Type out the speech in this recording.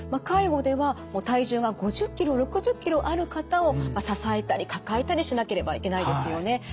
介護では体重が５０ｋｇ６０ｋｇある方を支えたり抱えたりしなければいけないですよね。